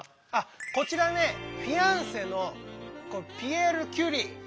こちらねフィアンセのピエール・キュリー。